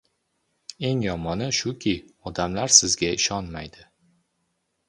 — Eng yomoni shuki, odamlar sizga ishonmaydi.